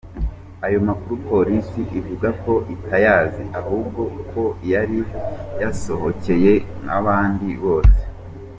Ayo makuru Polisi ivuga ko itayazi ahubwo ko yari yahasohokeye nk’abandi bose.